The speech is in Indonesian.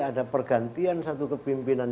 ada pergantian satu kepimpinan